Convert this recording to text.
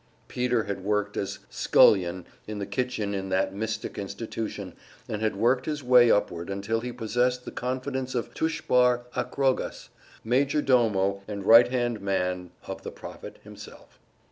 Peter had worked as scullion in the kitchen in that mystic institution, and had worked his way upward until he possessed the confidence of Tushbar Akrogas, major domo and right hand man of the Prophet himself.